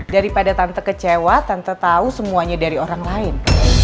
daripada tante kecewa tanpa tahu semuanya dari orang lain